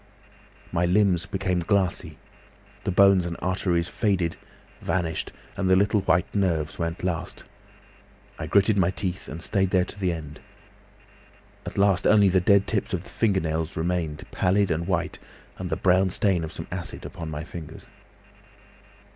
My limbs became glassy, the bones and arteries faded, vanished, and the little white nerves went last. I gritted my teeth and stayed there to the end. At last only the dead tips of the fingernails remained, pallid and white, and the brown stain of some acid upon my fingers.